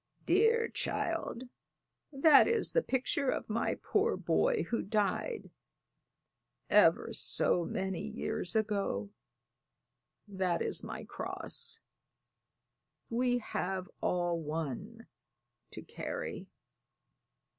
"Dear child, that is the picture of my poor boy who died ever so many years ago. That is my cross we have all one to carry."